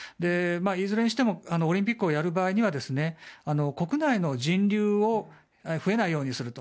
いずれにしても、オリンピックをやる場合には国内の人流を増えないようにすると。